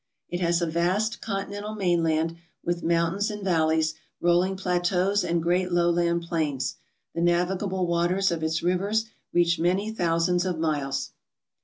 It has a vast continental mainland with mountains and valleys, rolling plateaus, and great lowland plains. The navigable waters of its rivers reach many thousands of miles.